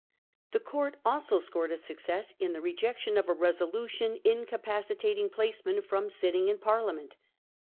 The court also scored a success in the rejection of a resolution incapaci tating placemen from sitting in Parliament.